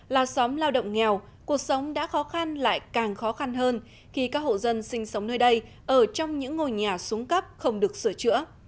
là xóm lao động nghèo cuộc sống đã khó khăn lại càng khó khăn hơn khi các hộ dân sinh sống nơi đây ở trong những ngôi nhà xuống cấp không được sửa chữa